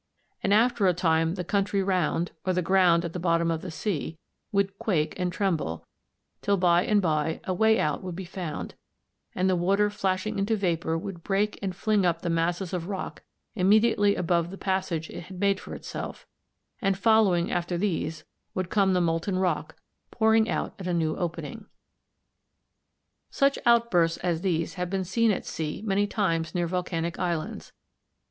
And after a time the country round, or the ground at the bottom of the sea, would quake and tremble, till by and by a way out would be found, and the water flashing into vapour would break and fling up the masses of rock immediately above the passage it had made for itself, and following after these would come the molten rock pouring out at the new opening. Such outbursts as these have been seen at sea many times near volcanic islands.